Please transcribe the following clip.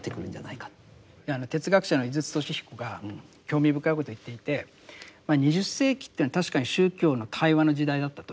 哲学者の井筒俊彦が興味深いことを言っていて２０世紀っていうのは確かに宗教の対話の時代だったと。